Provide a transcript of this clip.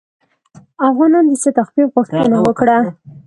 افغانانو د څه تخفیف غوښتنه وکړه.